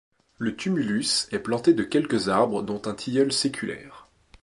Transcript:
Le tumulus est planté de quelques arbres dont un tilleul séculaire.